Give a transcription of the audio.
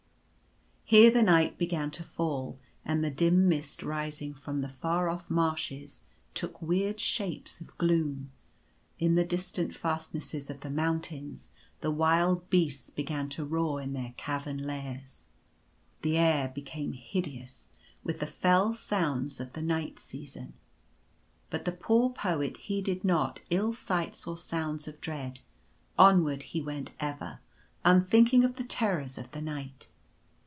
Here the night began to fall ; and the dim mist rising from the far off marshes, took weird shapes of gloom. In the distant fastnesses of the mountains the wild beasts began to roar in their cavern lairs. The air became hideous with the fell sounds of the night season. But the poor Poet heeded not ill sights or sounds of dread. Onward he went ever — unthinking of the terrors of the night.